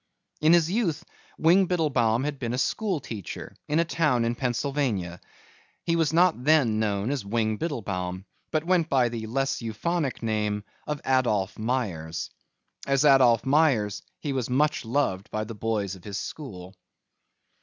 In his youth Wing Biddlebaum had been a school teacher in a town in Pennsylvania. He was not then known as Wing Biddlebaum, but went by the less euphonic name of Adolph Myers. As Adolph Myers he was much loved by the boys of his school.